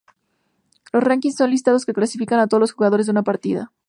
Los rankings son listados que clasifican a todos los jugadores de una partida.